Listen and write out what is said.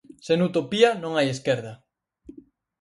Sen Utopía non hai Esquerda.